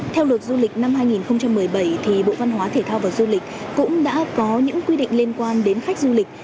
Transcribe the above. theo luật du lịch năm hai nghìn một mươi bảy bộ văn hóa thể thao và du lịch cũng đã có những quy định liên quan đến khách du lịch